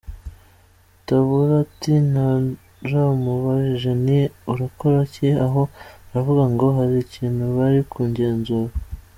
Tabura ati: “Naramubajije nti urakora iki aho, aravuga ngo hari ikintu bari kugenzura.